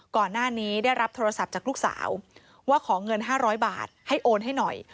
ก่อนหน้านี้ได้รับโทรศัพท์จากลูกสาวว่าขอเงิน๕๐๐บาทให้โอนให้หน่อย